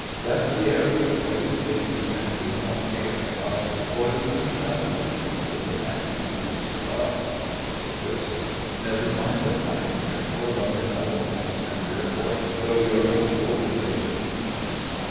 Let the air with joy be laden, Rend with songs the air above, For the union of a maiden With the man who owns her love! SIR JOSEPH. Never mind the why and wherefore, Love can level ranks, and therefore, Though your nautical relation (alluding to CAPT.)